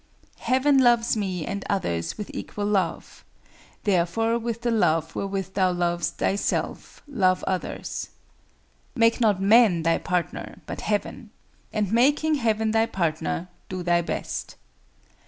Heaven loves me and others with equal love; therefore with the love wherewith thou lovest thyself, love others. Make not Man thy partner but Heaven, and making Heaven thy partner do thy best.